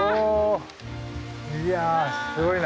いやすごいな。